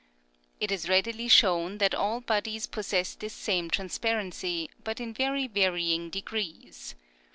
It is readily shown that all bodies possess this same transparency, but in very varying de grees.